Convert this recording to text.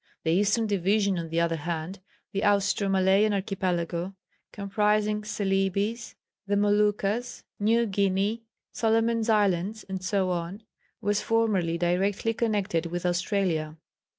The eastern division on the other hand, the Austro Malayan Archipelago, comprising Celebes, the Moluccas, New Guinea, Solomon's Islands, etc., was formerly directly connected with Australia.